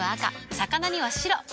魚には白。